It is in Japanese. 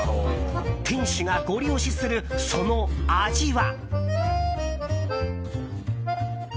店主がごり押しする、その味は。